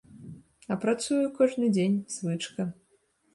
А працую кожны дзень, звычка.